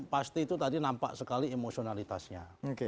pasti itu tadi nampak sekali emosionalitasnya